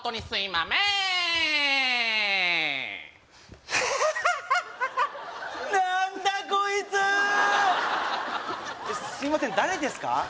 すいません誰ですか？